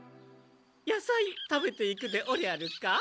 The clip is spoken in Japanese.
野さい食べていくでおりゃるか？